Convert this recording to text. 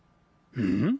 うん？